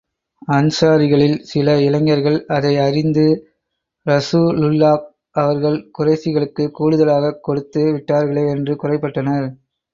அன்ஸாரிகளில் சில இளைஞர்கள் அதை அறிந்து, ரஸூலுல்லாஹ் அவர்கள் குறைஷிகளுக்குக் கூடுதலாகக் கொடுத்து விட்டார்களே என்று குறைப்பட்டனர்.